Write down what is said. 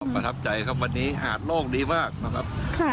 ประทับใจครับวันนี้หาดโล่งดีมากนะครับ